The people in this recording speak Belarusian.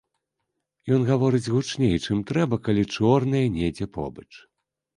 Ён гаворыць гучней, чым трэба, калі чорныя недзе побач.